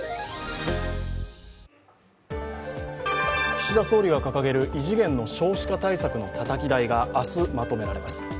岸田総理が掲げる異次元の少子化対策のたたき台が明日まとめられます。